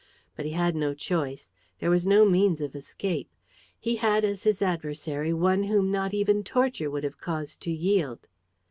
But he had no choice. There was no means of escape. He had as his adversary one whom not even torture would have caused to yield.